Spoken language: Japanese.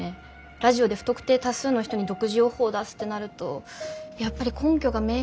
ラジオで不特定多数の人に独自予報を出すってなるとやっぱり根拠が明確じゃないと。